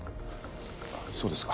そうですか。